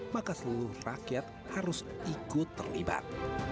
maka seluruh rakyat harus ikut terlibat